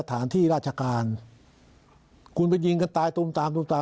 ทัศน์ที่ราชการกูลไปยิงกัตตายตรงตามตรงตาม